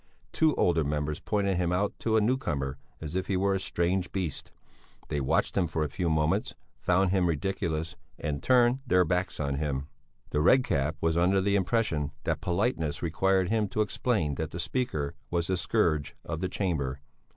Two older members pointed him out to a newcomer as if he were a strange beast; they watched him for a few moments, found him ridiculous and turned their backs on him. The Red Cap was under the impression that politeness required him to explain that the speaker was the "scourge" of the Chamber.